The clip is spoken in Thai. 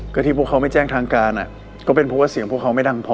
ก็ที่พวกเขาไม่แจ้งทางการก็เป็นเพราะว่าเสียงพวกเขาไม่ดังพอ